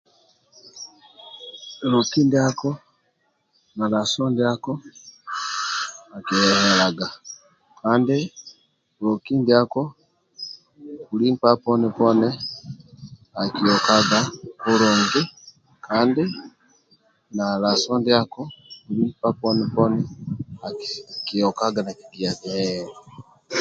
Loki ndiako na laso ndiako akihehelaga Kandi loki ndiako nkpa poni akiokaga kulungi